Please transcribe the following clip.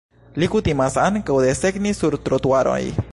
Li kutimas ankaŭ desegni sur trotuaroj.